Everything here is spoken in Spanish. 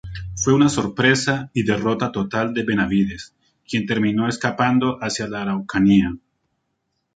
Fue una sorpresa y derrota total de Benavides, quien terminó escapando hacia La Araucanía.